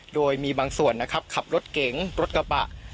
โดยมีบางส่วนนะครับขับรถเก๋งรถกระบะ